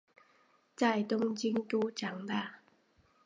在东京都长大。